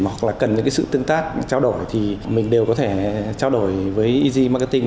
hoặc là cần sự tương tác trao đổi thì mình đều có thể trao đổi với easy marketing